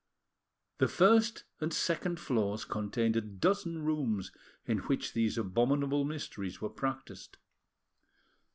The first and second floors contained a dozen rooms in which these abominable mysteries were practised.